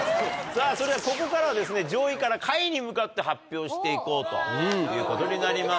さぁそれではここからは上位から下位に向かって発表していこうということになります。